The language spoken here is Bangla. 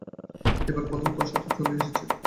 এবার প্রথম কুয়াশা তো চলেই এসেছে।